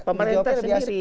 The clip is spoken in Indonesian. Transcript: pemerintah lebih opresiasi